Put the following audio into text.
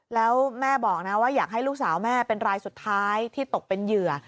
แล้วแม่บอกนะว่าอยากให้ลูกสาวแม่เป็นรายสุดท้ายที่ตกเป็นเหยื่อ